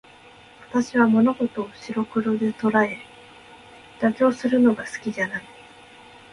私は物事を白黒で捉え、妥協するのが好きじゃない。